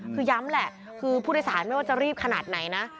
คือย้ำแหละคือผู้โดยสารไม่ว่าจะรีบขนาดไหนนะ